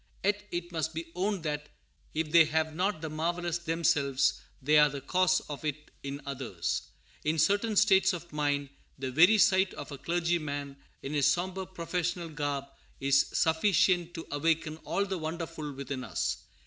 Yet it must be owned that, if they have not the marvellous themselves, they are the cause of it in others. In certain states of mind, the very sight of a clergyman in his sombre professional garb is sufficient to awaken all the wonderful within us.